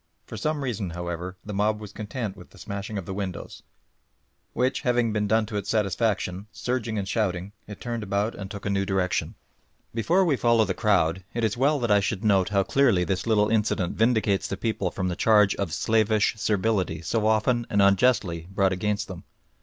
For some reason, however, the mob were content with the smashing of the windows, which having been done to its satisfaction, surging and shouting it turned about and took a new direction. Before we follow the crowd it is as well that I should note how clearly this little incident vindicates the people from the charge of slavish servility so often and unjustly brought against them.